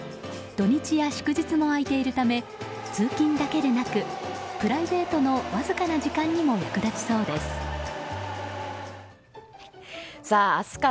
土日や祝日も開いているため通勤だけでなくプライベートのわずかな時間にも役立ちそうです。